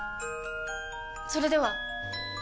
それでは！